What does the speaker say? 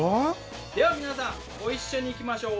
では皆さんご一緒にいきましょう。